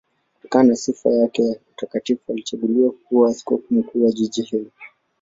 Kutokana na sifa yake ya utakatifu alichaguliwa kuwa askofu mkuu wa jiji hilo.